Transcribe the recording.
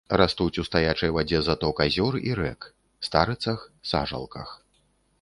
Растуць у стаячай вадзе заток азёр і рэк, старыцах, сажалках.